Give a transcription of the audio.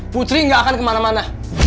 putri gak akan kemana mana